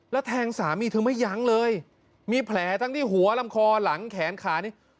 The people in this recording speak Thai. แล้วแทงสามีเธอไม่ยั้งเลยมีแผลทั้งที่หัวลำคอหลังแขนขานี้